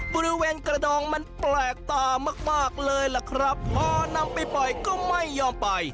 บริเวณกระดองมันแปลกตามากมากเลยล่ะครับพอนำไปปล่อยก็ไม่ยอมไป